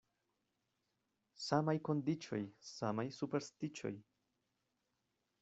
Samaj kondiĉoj, samaj superstiĉoj.